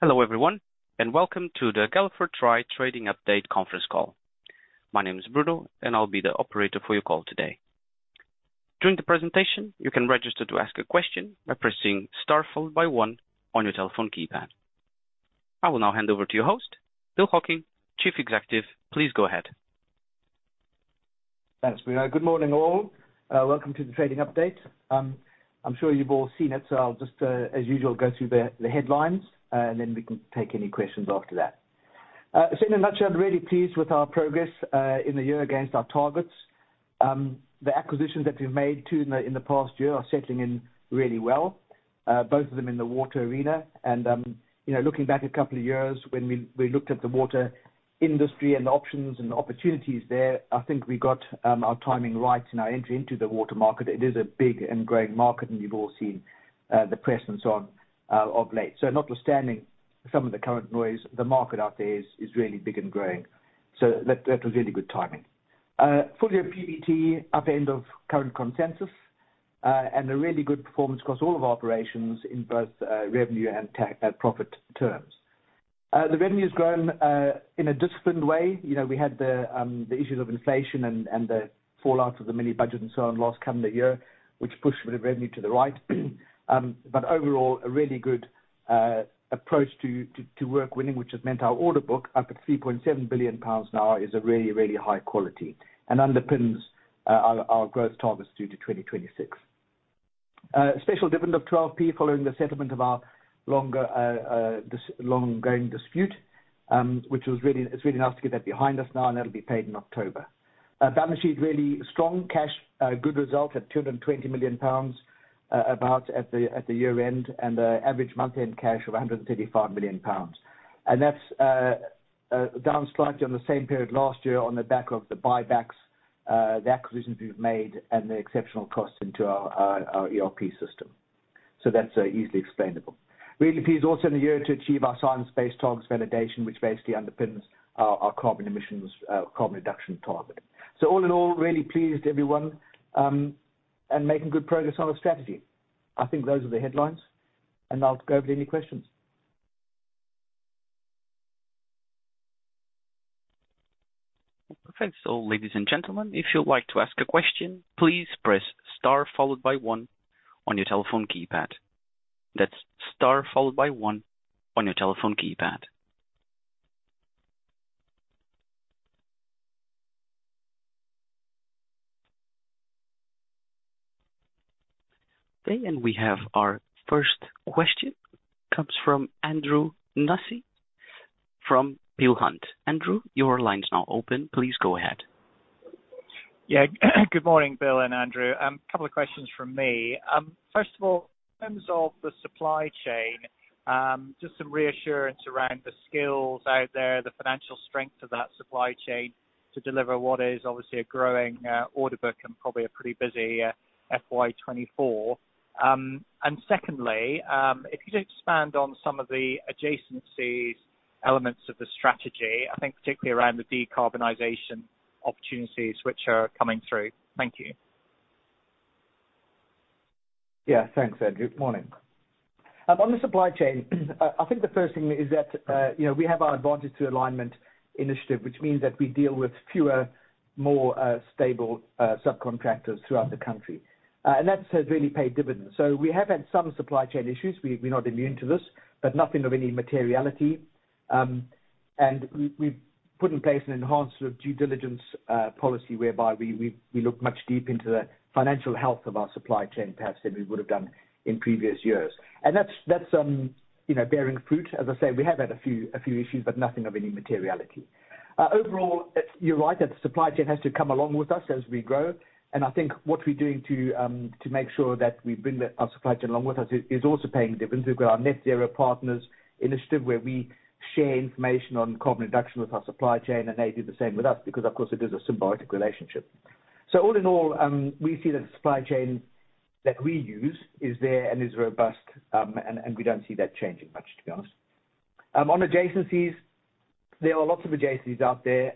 Hello, everyone, welcome to the Galliford Try Trading Update Conference Call. My name is Bruno, I'll be the operator for your call today. During the presentation, you can register to ask a question by pressing star followed by one on your telephone keypad. I will now hand over to your host, Bill Hocking, Chief Executive. Please go ahead. Thanks, Bruno. Good morning, all. Welcome to the trading update. I'm sure you've all seen it, so I'll just, as usual, go through the headlines, and then we can take any questions after that. In a nutshell, I'm really pleased with our progress in the year against our targets. The acquisitions that we've made, two in the past year, are settling in really well. Both of them in the water arena, you know, looking back a couple of years when we looked at the water industry and the options and the opportunities there, I think we got our timing right in our entry into the water market. It is a big and growing market, you've all seen the press and so on of late. Notwithstanding some of the current noise, the market out there is really big and growing. That was really good timing. Full-year PBT, at the end of current consensus, and a really good performance across all of our operations in both revenue and tech profit terms. The revenue has grown in a disciplined way. You know, we had the issues of inflation and the fallout of the mini budget and so on last calendar year, which pushed the revenue to the right. Overall, a really good approach to work winning, which has meant our order book, up at 3.7 billion pounds now, is a really high quality and underpins our growth targets through to 2026. Special dividend of 12p following the settlement of our long-going dispute, which was really. It's really nice to get that behind us now, and that'll be paid in October. Balance sheet, really strong cash, good result at 220 million pounds about at the year-end, and average month-end cash of 135 million pounds. That's down slightly on the same period last year on the back of the buybacks, the acquisitions we've made, and the exceptional costs into our ERP system. That's easily explainable. Really pleased also in the year to achieve our science-based targets validation, which basically underpins our carbon emissions, carbon reduction target. All in all, really pleased, everyone, and making good progress on our strategy. I think those are the headlines, and I'll go over any questions. Thanks. Ladies and gentlemen, if you'd like to ask a question, please press star followed by one on your telephone keypad. That's star followed by one on your telephone keypad. We have our first question. Comes from Andrew Nussey from Peel Hunt. Andrew, your line is now open. Please go ahead. Good morning, Bill and Andrew. A couple of questions from me. First of all, in terms of the supply chain, just some reassurance around the skills out there, the financial strength of that supply chain to deliver what is obviously a growing order book and probably a pretty busy FY 2024. Secondly, if you could expand on some of the adjacencies elements of the strategy, I think particularly around the decarbonization opportunities which are coming through. Thank you. Yeah, thanks, Andrew. Morning. On the supply chain, I think the first thing is that, you know, we have our Advantage through Alignment initiative, which means that we deal with fewer, more, stable subcontractors throughout the country. That has really paid dividends. We have had some supply chain issues. We're not immune to this, but nothing of any materiality. We've put in place an enhanced sort of due diligence policy, whereby we look much deep into the financial health of our supply chain, perhaps, than we would have done in previous years. That's, you know, bearing fruit. As I say, we have had a few issues, but nothing of any materiality. Overall, you're right, that the supply chain has to come along with us as we grow, and I think what we're doing to make sure that we bring our supply chain along with us is also paying dividends. We've got our Net Zero Partners initiative, where we share information on carbon reduction with our supply chain, and they do the same with us because, of course, it is a symbiotic relationship. All in all, we see that the supply chain that we use is there and is robust, and we don't see that changing much, to be honest. On adjacencies, there are lots of adjacencies out there,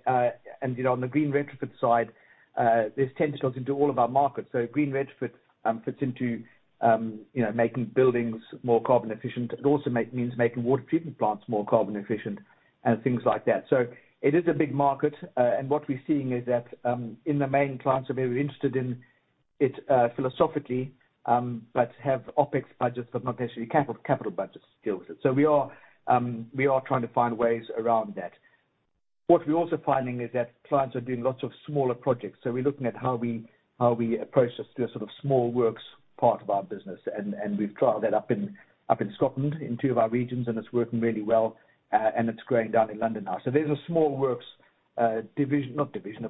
and, you know, on the green retrofit side, this tends to go into all of our markets. Green retrofit fits into making buildings more carbon efficient. It also means making water treatment plants more carbon efficient and things like that. It is a big market, and what we're seeing is that in the main, clients are maybe interested in it philosophically, but have OpEx budgets but not necessarily capital budget skills. We are trying to find ways around that. What we're also finding is that clients are doing lots of smaller projects, so we're looking at how we approach the sort of small works part of our business. We've trialed that up in Scotland, in two of our regions, and it's working really well, and it's going down in London now. There's a small works division, not division,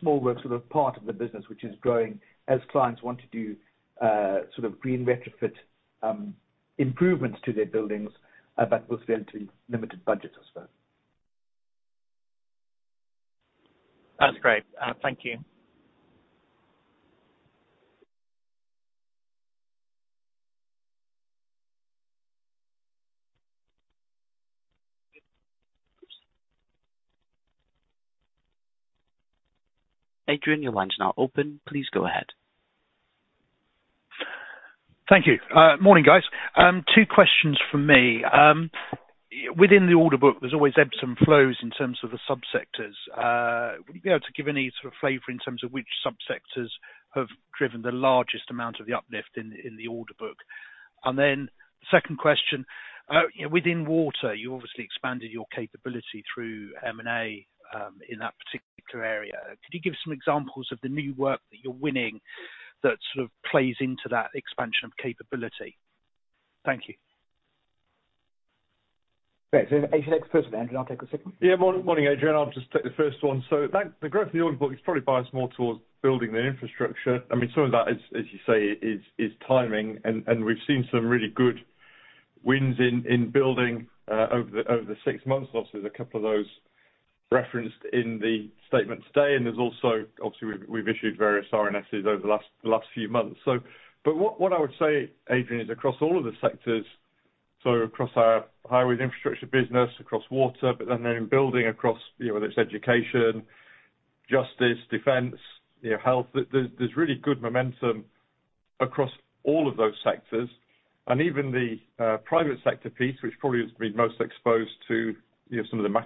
small work sort of part of the business, which is growing as clients want to do sort of green retrofit improvements to their buildings, but with relatively limited budgets as well. That's great. Thank you. ... Adrian, your line's now open. Please go ahead. Thank you. Morning, guys. Two questions from me. Within the order book, there's always ebbs and flows in terms of the sub-sectors. Would you be able to give any sort of flavor in terms of which sub-sectors have driven the largest amount of the uplift in the order book? Second question, you know, within water, you obviously expanded your capability through M&A, in that particular area. Could you give us some examples of the new work that you're winning that sort of plays into that expansion of capability? Thank you. Andrew, take the first one, Andrew, and I'll take the second. Yeah. Morning, Adrian. I'll just take the first one. That, the growth in the order book is probably biased more towards building the infrastructure. I mean, some of that is, as you say, is timing, and we've seen some really good wins in building over the, over the six months. Obviously, there's a couple of those referenced in the statement today, and there's also... Obviously, we've issued various RNSs over the last, the last few months. What, what I would say, Adrian, is across all of the sectors, so across our highway infrastructure business, across water, but then in building across, you know, whether it's education, justice, defense, you know, health, there's really good momentum across all of those sectors. Even the private sector piece, which probably has been most exposed to, you know, some of the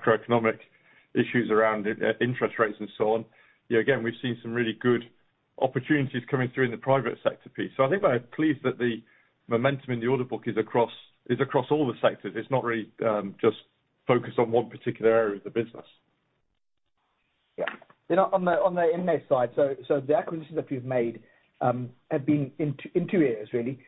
macroeconomic issues around interest rates and so on, you know, again, we've seen some really good opportunities coming through in the private sector piece. I think we're pleased that the momentum in the order book is across all the sectors. It's not really just focused on one particular area of the business. You know, on the in-house side, the acquisitions that we've made, have been in two areas, really.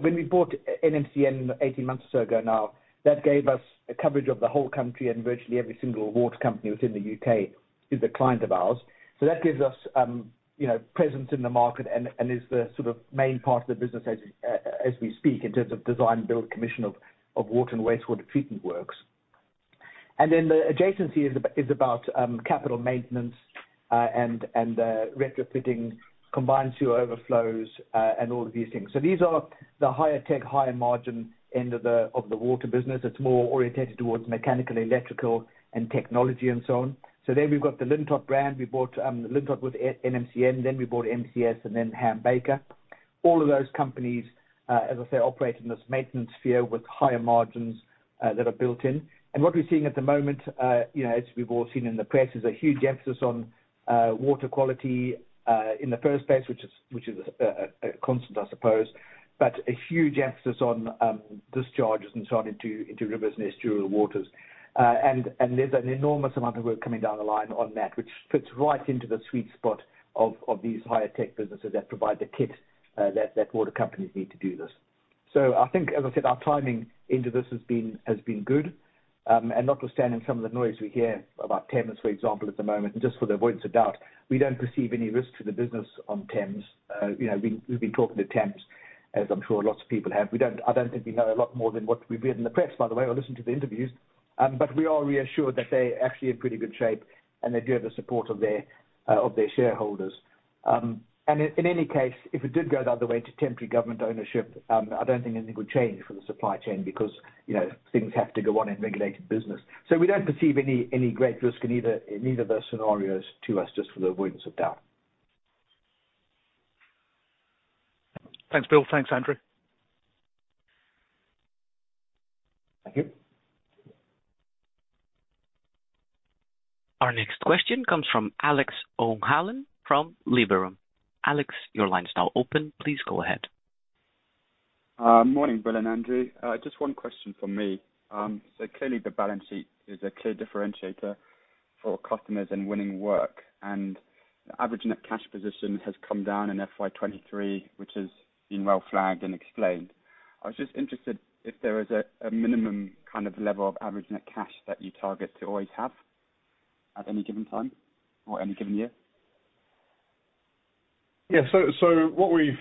When we bought nmcn 18 months or so ago now, that gave us a coverage of the whole country, and virtually every single water company within the U.K. is a client of ours. That gives us, you know, presence in the market and is the sort of main part of the business as we speak, in terms of design, build, commission of water and wastewater treatment works. The adjacency is about capital maintenance, and retrofitting combined sewer overflows, and all of these things. These are the higher tech, higher margin end of the water business. It's more oriented towards mechanical, electrical, and technology, and so on. We've got the Lintott brand. We bought Lintott with nmcn, then we bought MCS, and then Ham Baker. All of those companies, as I say, operate in this maintenance sphere with higher margins that are built in. What we're seeing at the moment, you know, as we've all seen in the press, is a huge emphasis on water quality in the first place, which is a constant, I suppose, but a huge emphasis on discharges and so on, into rivers and estuarial waters. And there's an enormous amount of work coming down the line on that, which fits right into the sweet spot of these higher tech businesses that provide the kit that water companies need to do this. I think, as I said, our timing into this has been good. Notwithstanding some of the noise we hear about Thames, for example, at the moment, and just for the avoidance of doubt, we don't perceive any risk to the business on Thames. You know, we've been talking to Thames, as I'm sure lots of people have. I don't think we know a lot more than what we read in the press, by the way, or listen to the interviews. We are reassured that they're actually in pretty good shape, and they do have the support of their shareholders. In any case, if it did go the other way to temporary government ownership, I don't think anything would change for the supply chain because, you know, things have to go on in regulated business. We don't perceive any great risk in either of those scenarios to us, just for the avoidance of doubt. Thanks, Bill. Thanks, Andrew. Thank you. Our next question comes from Alex O'Hanlon from Liberum. Alex, your line is now open. Please go ahead. Morning, Bill and Andrew. Just one question from me. Clearly the balance sheet is a clear differentiator for customers in winning work, and the average net cash position has come down in FY 2023, which has been well flagged and explained. I was just interested if there is a minimum, kind of, level of average net cash that you target to always have at any given time or any given year? Yeah. What we've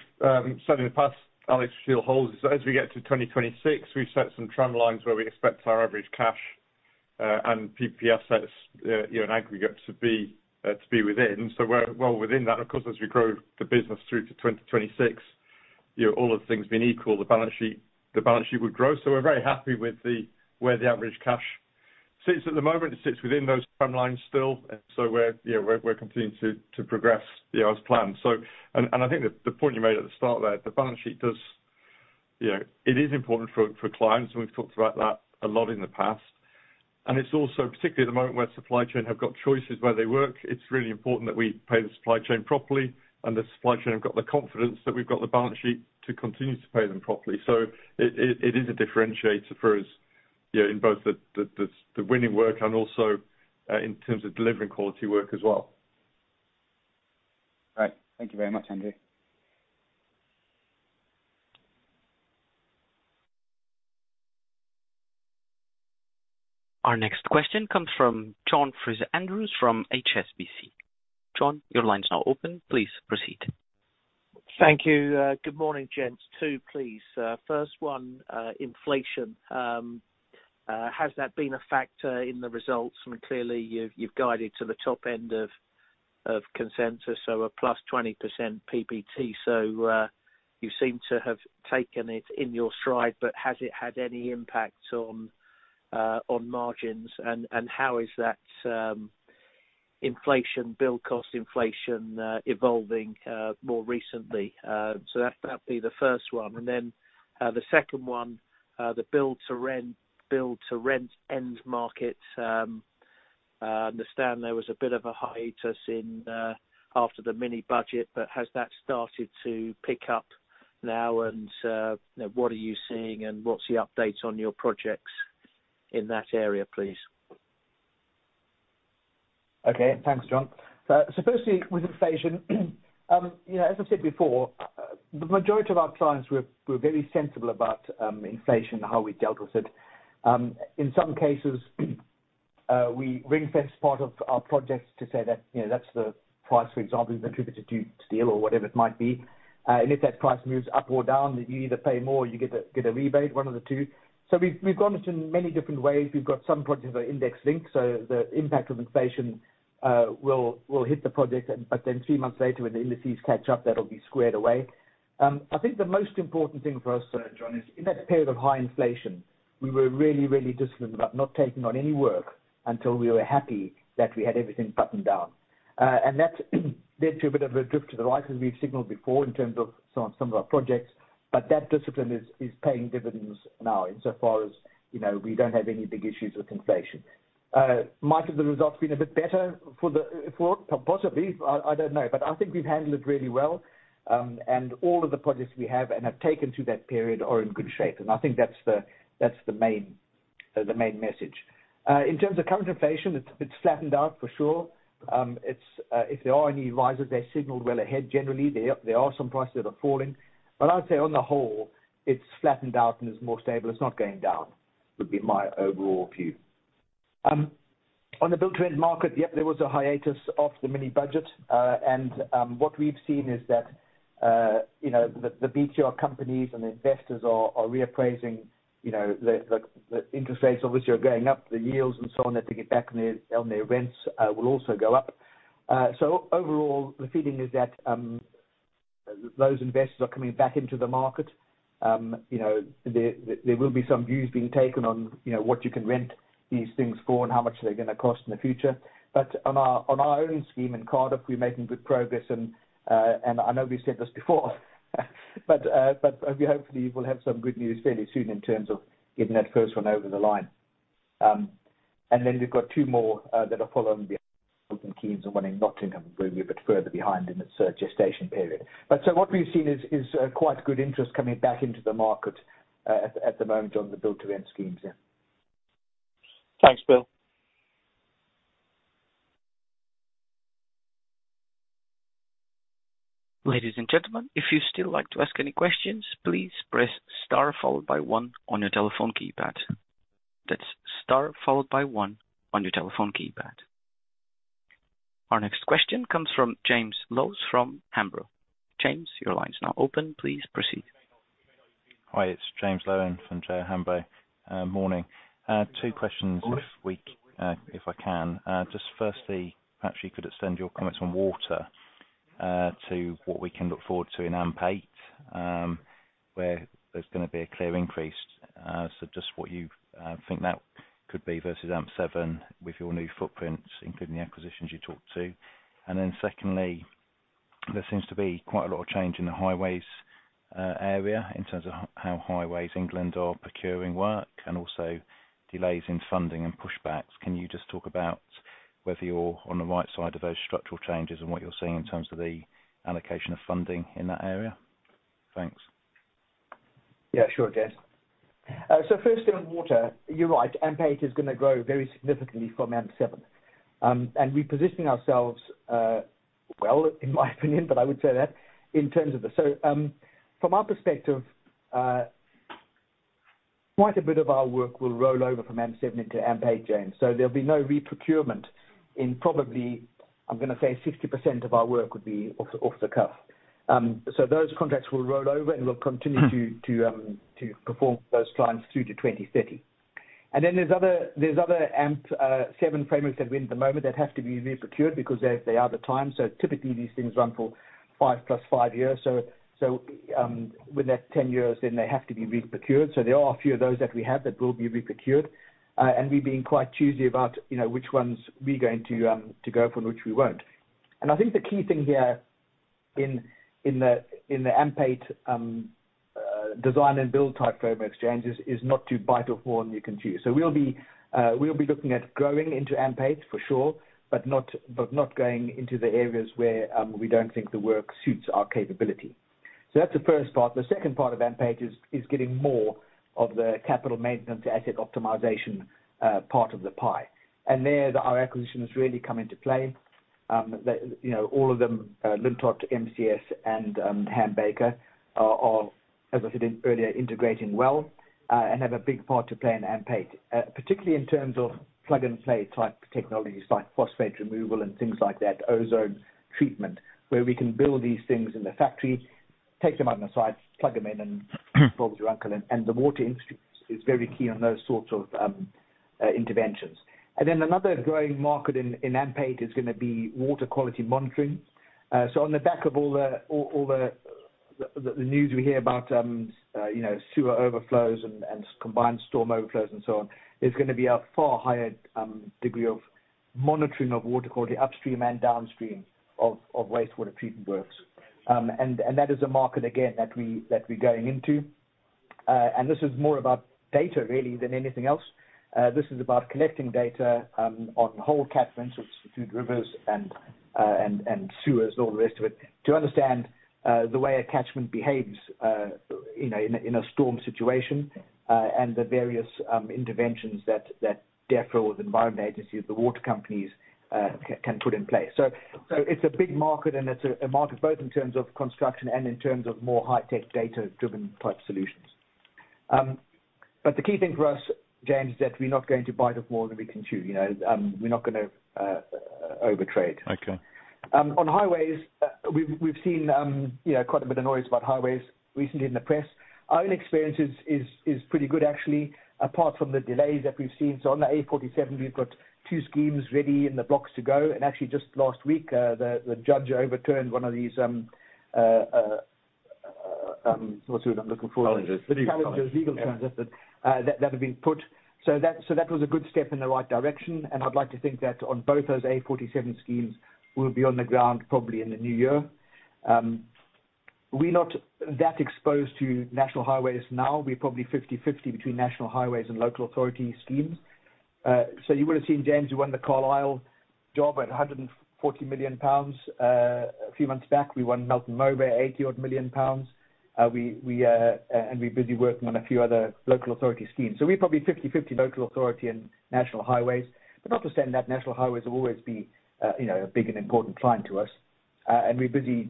said in the past, Alex, still holds, is as we get to 2026, we've set some trend lines where we expect our average cash and PPP assets, you know, in aggregate to be to be within. We're well within that. Of course, as we grow the business through to 2026, you know, all other things being equal, the balance sheet would grow. We're very happy with the, where the average cash sits at the moment. It sits within those timelines still, we're, you know, we're continuing to progress, you know, as planned. I think the point you made at the start there, the balance sheet. You know, it is important for clients, and we've talked about that a lot in the past. It's also, particularly at the moment, where supply chain have got choices where they work, it's really important that we pay the supply chain properly, and the supply chain have got the confidence that we've got the balance sheet to continue to pay them properly. It is a differentiator for us, you know, in both the winning work and also, in terms of delivering quality work as well. Right. Thank you very much, Andrew. Our next question comes from John Fraser-Andrews, from HSBC. John, your line's now open. Please proceed. Thank you. Good morning, gents. Two, please. First one, inflation. Has that been a factor in the results? I mean, clearly, you've guided to the top end of consensus, a +20% PBT. You seem to have taken it in your stride, but has it had any impact on margins, and how is that inflation, build cost inflation, evolving more recently? That'd be the first one. The second one, the build to rent end markets, I understand there was a bit of a hiatus in after the mini budget, but has that started to pick up now? You know, what are you seeing, and what's the update on your projects in that area, please? Okay, thanks, John. Firstly, with inflation, you know, as I said before, the majority of our clients we're very sensible about inflation, and how we dealt with it. In some cases, we ring-fenced part of our projects to say that, you know, that's the price, for example, is attributed to steel or whatever it might be. If that price moves up or down, you either pay more, or you get a rebate, one of the two. We've gone into many different ways. We've got some projects that are index linked, so the impact of inflation will hit the project, but then three months later, when the indices catch up, that'll be squared away. I think the most important thing for us, John, is in that period of high inflation, we were really disciplined about not taking on any work until we were happy that we had everything buttoned down. That led to a bit of a drift to the right, as we've signaled before, in terms of some of our projects, but that discipline is paying dividends now, in so far as, you know, we don't have any big issues with inflation. Might have the results been a bit better for possibly? I don't know, but I think we've handled it really well. All of the projects we have and have taken through that period are in good shape. I think that's the main message. In terms of current inflation, it's a bit flattened out for sure. It's, if there are any rises, they're signaled well ahead, generally. There are some prices that are falling, but I would say on the whole, it's flattened out and is more stable. It's not going down, would be my overall view. On the build to rent market, yep, there was a hiatus after the mini budget. What we've seen is that, you know, the BTR companies and investors are reappraising, you know, the interest rates obviously are going up, the yields and so on, that they get back on their, on their rents, will also go up. Overall, the feeling is that those investors are coming back into the market. You know, there will be some views being taken on, you know, what you can rent these things for, and how much they're gonna cost in the future. On our own scheme in Cardiff, we're making good progress and I know we've said this before, but we hopefully will have some good news fairly soon in terms of getting that first one over the line. Then we've got two more that are following behind, one in Keynes and one in Nottingham, a little bit further behind in the search gestation period. What we've seen is quite good interest coming back into the market at the moment on the build to rent schemes, yeah. Thanks, Bill. Ladies and gentlemen, if you'd still like to ask any questions, please press star followed by one on your telephone keypad. That's star followed by one on your telephone keypad. Our next question comes from James Lowen from Hambro. James, your line is now open. Please proceed. Hi, it's James Lowen from J O Hambro. Morning. Two questions. Of course. If we, if I can. Just firstly, perhaps you could extend your comments on water, to what we can look forward to in AMP8, where there's gonna be a clear increase. Just what you think that could be versus AMP7, with your new footprints, including the acquisitions you talked to. Secondly, there seems to be quite a lot of change in the highways area, in terms of how Highways England are procuring work, and also delays in funding and pushbacks. Can you just talk about whether you're on the right side of those structural changes, and what you're seeing in terms of the allocation of funding in that area? Thanks. Yeah, sure, James. First in water, you're right, AMP8 is gonna grow very significantly from AMP7. We're positioning ourselves, well, in my opinion but I would say that, from our perspective, quite a bit of our work will roll over from AMP7 into AMP8, James. There'll be no reprocurement in probably, I'm gonna say 60% of our work would be off the cuff. Those contracts will roll over, we'll continue- Mm. -to perform for those clients through to 2030. Then there's other AMP7 frameworks that are in at the moment, that have to be reprocured because they are the time. Typically, these things run for 5 + 5 years, when they're 10 years, then they have to be reprocured. There are a few of those that we have that will be reprocured, and we're being quite choosy about, you know, which ones we're going to go for and which we won't. I think the key thing here in the AMP8 design and build type framework exchanges, is not to bite off more than you can chew. We'll be looking at growing into AMP8 for sure, but not going into the areas where we don't think the work suits our capability. That's the first part. The second part of AMP8 is getting more of the capital maintenance asset optimization part of the pie. There, our acquisitions really come into play. The, you know, all of them, Lintott, MCS and Ham Baker are, as I said earlier, integrating well and have a big part to play in AMP8. Particularly in terms of plug-and-play type technologies, like phosphate removal and things like that, ozone treatment, where we can build these things in the factory, take them out on the side, plug them in, bob's your uncle. And the water industry is very key on those sorts of interventions. Then another growing market in AMP8 is gonna be water quality monitoring. On the back of all the news we hear about, you know, sewer overflows and combined sewer overflows, and so on, there's gonna be a far higher degree of monitoring of water quality upstream and downstream of wastewater treatment works. That is a market again that we're going into. This is more about data really, than anything else. This is about collecting data on whole catchments, which include rivers and sewers, and all the rest of it, to understand the way a catchment behaves, you know, in a storm situation, and the various interventions that Defra or the environment agencies, the water companies, can put in place. It's a big market, and it's a market both in terms of construction and in terms of more high-tech, data-driven type solutions. The key thing for us, James, is that we're not going to bite off more than we can chew, you know? We're not gonna overtrade. Okay. On Highways, we've seen, you know, quite a bit of noise about Highways recently in the press. Our own experience is pretty good, actually, apart from the delays that we've seen. On the A47, we've got two schemes ready in the blocks to go, and actually just last week, the judge overturned one of these, what's the word I'm looking for? Challenges. Challenges, legal challenges, that had been put. That was a good step in the right direction, I'd like to think that on both those A47 schemes, we'll be on the ground probably in the New Year. We're not that exposed to National Highways now, we're probably 50/50 between National Highways and local authority schemes. You would've seen James, we won the Carlisle job at 140 million pounds. A few months back, we won Melton Mowbray, 80 odd million. We're busy working on a few other local authority schemes. We're probably 50/50 local authority and National Highways, but notwithstanding that, National Highways will always be, you know, a big and important client to us. We're busy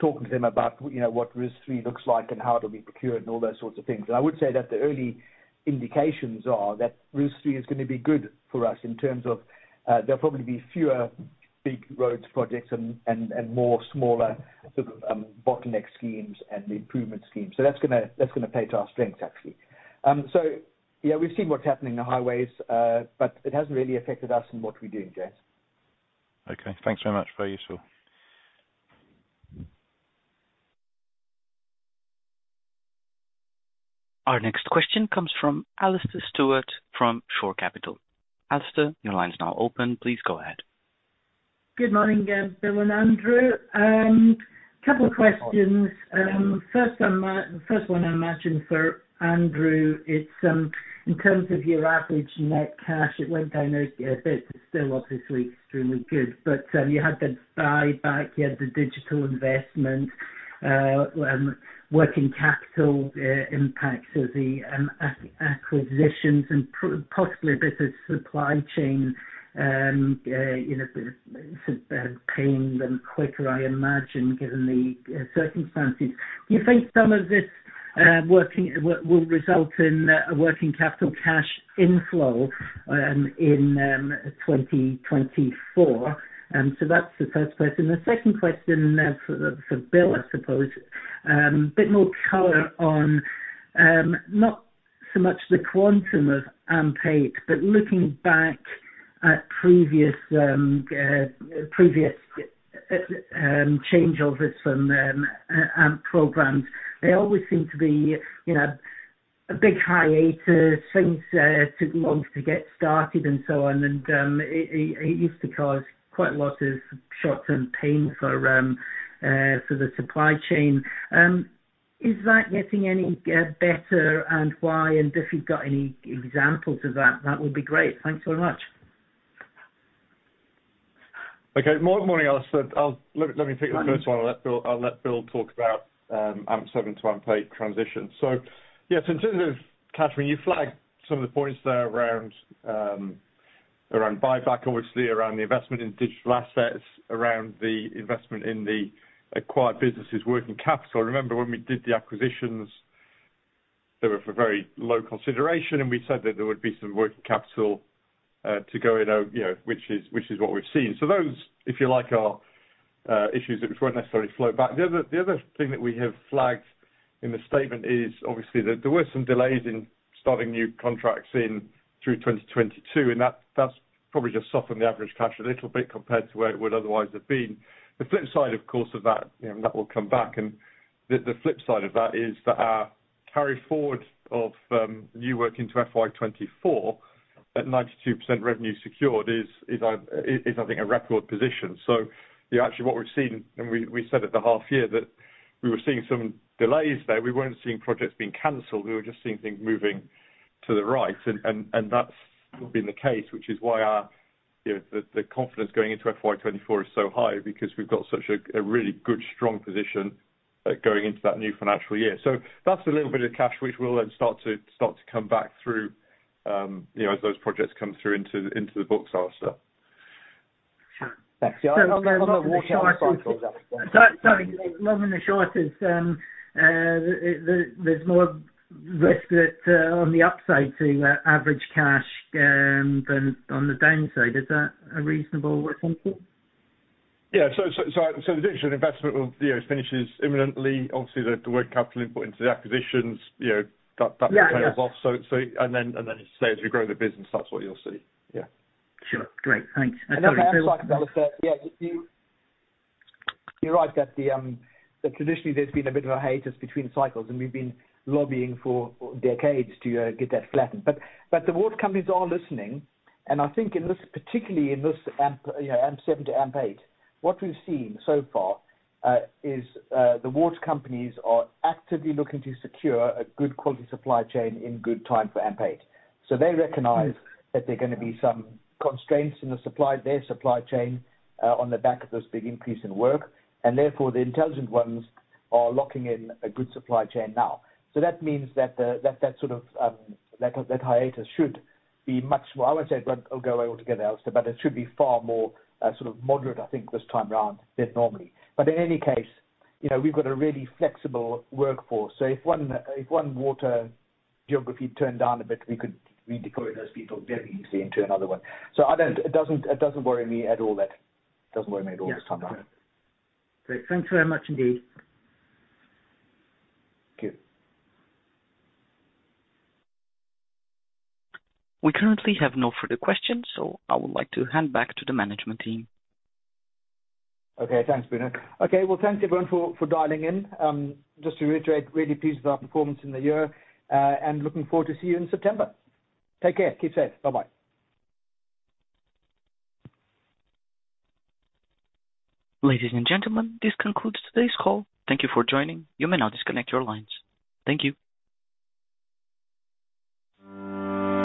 talking to them about you know, what RIS 3 looks like, and how it'll be procured, and all those sorts of things. I would say that the early indications are that RIS 3 is gonna be good for us, in terms of, there'll probably be fewer big roads projects and more smaller sort of, bottleneck schemes and improvement schemes. That's gonna play to our strengths, actually. Yeah, we've seen what's happening in the highways, but it hasn't really affected us and what we're doing, James. Okay, thanks very much. Very useful. Our next question comes from Alastair Stewart from Shore Capital. Alastair, your line is now open. Please go ahead. Good morning again, Bill and Andrew. Couple questions. First, first one I imagine for Andrew, it's in terms of your average net cash, it went down a bit, still obviously extremely good, but you had the buyback, you had the digital investment, working capital impacts of the acquisitions, and possibly a bit of supply chain, you know, paying them quicker, I imagine, given the circumstances. Do you think some of this will result in a working capital cash inflow in 2024? That's the first question. The second question, for Bill, I suppose, a bit more color on not so much the quantum of AMP8, but looking back at previous previous changeovers from AMP programs, they always seem to be, you know, a big hiatus, things took months to get started and so on. It, it used to cause quite a lot of short-term pain for for the supply chain. Is that getting any better? Why? If you've got any examples of that would be great. Thanks so much. Okay. Morning, Alastair. Let me take the first one, I'll let Bill talk about AMP7 to AMP8 transition. Yeah, so in terms of cash, I mean, you flagged some of the points there around buyback, obviously, around the investment in digital assets, around the investment in the acquired businesses working capital. Remember, when we did the acquisitions, they were for very low consideration, and we said that there would be some working capital to go in, you know, which is what we've seen. Those, if you like, are issues which won't necessarily flow back. The other thing that we have flagged in the statement is obviously, that there were some delays in starting new contracts in through 2022, and that's probably just softened the average cash a little bit, compared to where it would otherwise have been. The flip side, of course, of that, you know, that will come back, and the flip side of that, is that our carry forward of new work into FY 2024, at 92% revenue secured is I think a record position. Yeah, actually what we've seen, and we said at the half year that we were seeing some delays there, we weren't seeing projects being canceled, we were just seeing things moving to the right. That's been the case, which is why our, you know, the confidence going into FY 2024 is so high, because we've got such a really good, strong position going into that new financial year. That's a little bit of cash, which will then start to come back through, you know, as those projects come through into the books, Alastair. Sure. Thanks. Sorry, the long and the short is, there's more risk that on the upside to average cash than on the downside. Is that a reasonable way of thinking? Yeah. The digital investment will, you know, finishes imminently. Obviously, the working capital input into the acquisitions, you know, that pays off. Yeah. As you say, as we grow the business, that's what you'll see. Yeah. Sure. Great, thanks. Can I just add, Alastair, yeah, you're right that the, that traditionally there's been a bit of a hiatus between cycles, and we've been lobbying for decades to get that flattened. The water companies are listening, and I think in this, particularly in this AMP, you know, AMP7 to AMP8, what we've seen so far, is the water companies are actively looking to secure a good quality supply chain in good time for AMP8. They recognize that there are gonna be some constraints in their supply chain, on the back of this big increase in work, and therefore, the intelligent ones are locking in a good supply chain now. That means that the sort of hiatus should be, I would say, go away altogether, Alastair, but it should be far more sort of moderate, I think, this time around than normally. In any case, you know, we've got a really flexible workforce, so if one water geography turned down a bit, we could redeploy those people very easily into another one. It doesn't worry me at all this time around. Great. Thanks very much indeed. Thank you. We currently have no further questions, so I would like to hand back to the management team. Okay, thanks, Bruno. Okay, well, thanks everyone for dialing in. Just to reiterate, really pleased with our performance in the year. Looking forward to see you in September. Take care. Keep safe. Bye-bye. Ladies and gentlemen, this concludes today's call. Thank you for joining. You may now disconnect your lines. Thank you.